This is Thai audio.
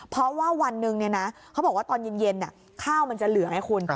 เพราะว่าวันหนึ่งเขาบอกว่าตอนเย็นข้าวมันจะเหลือไงคุณ